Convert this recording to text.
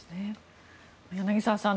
柳澤さん